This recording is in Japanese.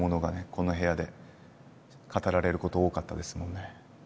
この部屋で語られること多かったですもんね